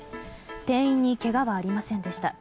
店員にけがはありませんでした。